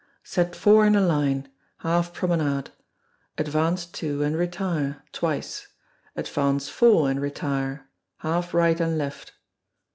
Set four in a line; half promenade. Advance two, and retire (twice). Advance four, and retire; half right and left.